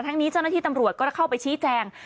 ทั้งนี้เจ้าหน้าที่ตำรวจก็เข้าไปชี้แจง